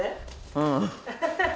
うん。